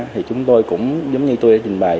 thì chúng tôi cũng giống như tôi trình bày